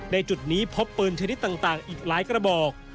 จุดนี้พบปืนชนิดต่างอีกหลายกระบอก